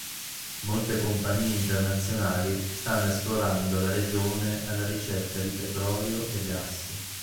Molte compagnie internazionali stanno esplorando la regione alla ricerca di petrolio e gas.